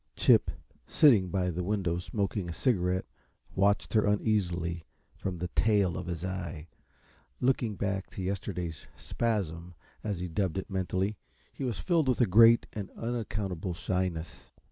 Chip, sitting by the window smoking a cigarette, watched her uneasily from the tail of his eye. Looking back to yesterday's "spasm," as he dubbed it mentally, he was filled with a great and unaccountable shyness.